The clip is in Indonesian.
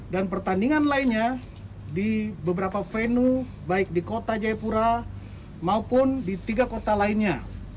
dan pertandingan lainnya di beberapa venue baik di kota jaipura maupun di tiga kota lainnya